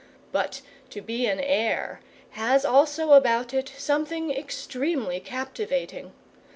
But to be an Heir has also about it something extremely captivating.